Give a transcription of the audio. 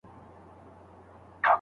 که غنمرنگ نقيب، کښته شي پورته شي